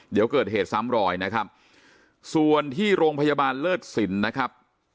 เดี๋ยวเกิดเหตุซ้ำรอยนะครับส่วนที่โรงพยาบาลเลิศสินนะครับ